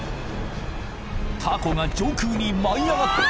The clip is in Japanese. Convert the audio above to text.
凧が上空に舞い上がった